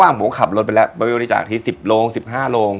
บ้างผมก็ขับรถไปแล้วไปบริจาคที่สิบโรงสิบห้าโรง